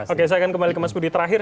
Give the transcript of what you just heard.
oke saya akan kembali ke mas budi terakhir